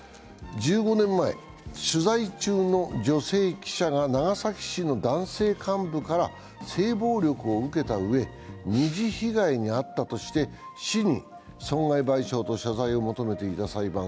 １５年前、取材中の女性記者が長崎市の男性幹部から性暴力を受けたうえ、二次被害に遭ったとして市に損害賠償と謝罪を求めていた裁判。